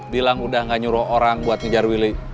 bilang udah gak nyuruh orang buat ngejar willy